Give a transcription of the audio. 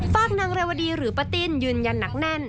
ฝากนางเรวดีหรือป้าติ้นยืนยันหนักแน่น